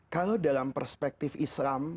kalau dalam perspektif islam